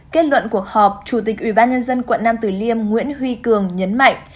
kết luận cuộc họp chủ tịch ubnd quận nam tử liêm nguyễn huy cường nhấn mạnh